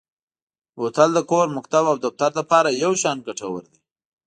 بوتل د کور، مکتب او دفتر لپاره یو شان ګټور دی.